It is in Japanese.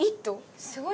すごいね。